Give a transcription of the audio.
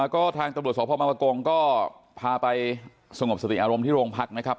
การตรวจสอบพ่อมาวะกงก็พาไปสงบสติอารมณ์ที่โรงพักษณ์นะครับ